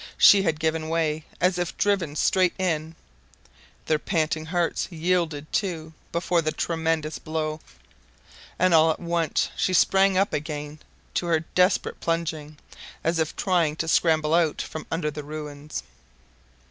She had given way as if driven straight in. Their panting hearts yielded, too, before the tremendous blow; and all at once she sprang up again to her desperate plunging, as if trying to scramble out from under the ruins.